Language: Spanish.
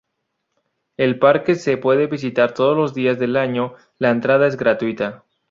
El parque se puede visitar todos los días del año, la entrada es gratuita.